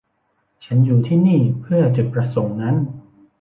ฉันอยู่ที่นี่เพื่อจุดประสงค์นั้น